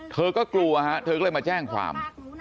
เธอก็กลัวฮะเธอก็เลยมาแจ้งความ